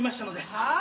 はあ⁉